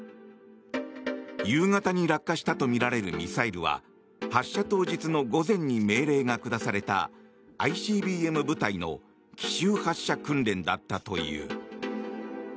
夕方に落下したとみられるミサイルは発射当日の午前に命令が下されたＩＣＢＭ部隊の奇襲発射訓練だったという。